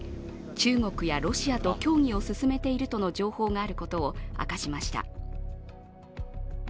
中国やロシアと協議を進めているとの情報があることを明かしました。